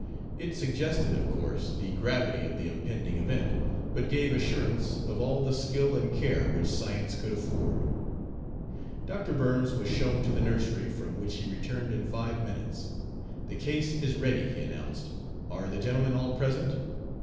It suggested, of course, the gravity of the impending event, but gave assurance of all the skill and care which science could afford. Dr. Burns was shown to the nursery, from which he returned in five minutes. "The case is ready," he announced. "Are the gentlemen all present?"